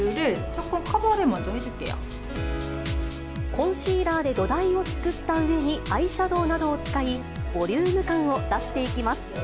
コンシーラーで土台を作った上に、アイシャドーなどを使い、ボリューム感を出していきます。